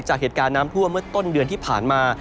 จากเหตุการณ์น้ำทั่วเมื่อต้นเดือนที่ผ่านมา